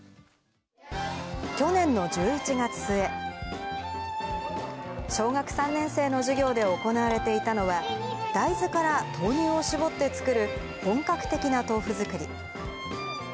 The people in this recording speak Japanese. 去年の１１月末、小学３年生の授業で行われていたのは、大豆から豆乳を搾って作る本格的な豆腐作り。